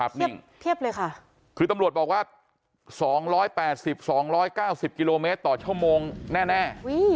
เทียบเลยค่ะคือตำรวจบอกว่า๒๘๐๒๙๐กิโลเมตรต่อชั่วโมงแน่